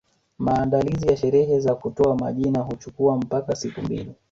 Maandalizi ya sherehe za kutoa majina huchukua mpaka siku mbili